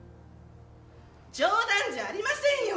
冗談じゃありませんよ！